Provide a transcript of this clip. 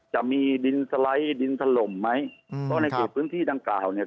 จะมีดินสไลด์ดินถล่มไหมเพราะในเขตพื้นที่ดังกล่าวเนี่ย